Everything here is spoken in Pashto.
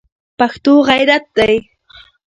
پښتو غیرت دی